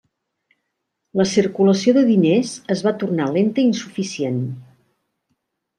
La circulació de diners es va tornar lenta i insuficient.